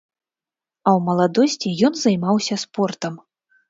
А ў маладосці ён займаўся спортам.